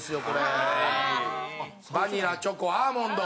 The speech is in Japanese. バニラチョコアーモンド。